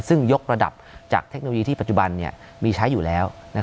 ซึ่งยกระดับจากเทคโนโลยีที่ปัจจุบันมีใช้อยู่แล้ว